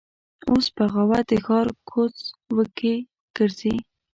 اوس بغاوت د ښار کوڅ وکې ګرځي